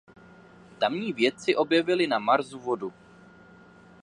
Tamní vědci objevili na Marsu vodu.